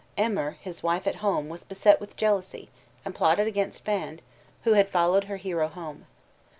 Emer, his wife at home, was beset with jealousy, and plotted against Fand, who had followed her hero home.